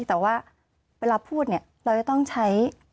แต่ว่าเวลาพูดเนี่ยเราจะต้องใช้